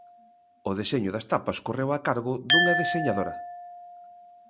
O deseño das tapas correu a cargo dunha deseñadora.